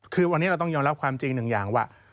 คือวันนี้เราต้องยอมรับความจริงหนึ่งอย่างว่า